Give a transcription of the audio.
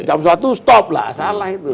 jam satu stop lah salah itu